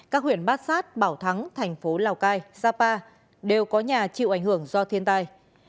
các huyện bát sát bảo thắng thành phố lào cai sapa đều có nhà chịu ảnh hưởng do thiên tai